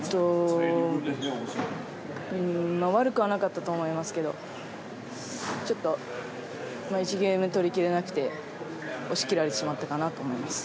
悪くはなかったと思いますけどちょっと１ゲーム目取り切れなくて押し切られてしまったかなと思います。